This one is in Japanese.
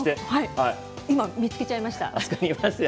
今、見つけちゃいました。